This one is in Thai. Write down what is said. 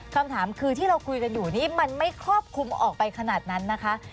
คำถามคือที่เราคุยกันอยู่นี่มันไม่ครอบคลุมออกไปขนาดนั้นนะคะ